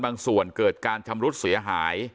บางส่วนเกิดการชำรุดเสียหาย